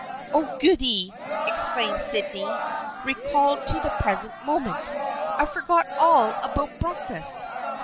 " Oh, goody !" exclaimed Sydney, recalled to the present moment. " I forgot all about break fast.